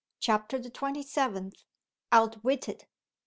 CHAPTER THE TWENTY SEVENTH. OUTWITTED.